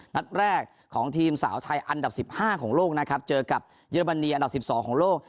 นัดแรกของทีมสาวไทยอันดับ๑๕ของโลกนะครับเจอกับเยอรมนีอันดับ๑๒ของโลก